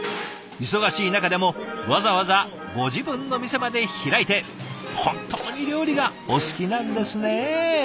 忙しい中でもわざわざご自分の店まで開いて本当に料理がお好きなんですね。